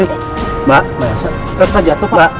mbak elsa jatuh pak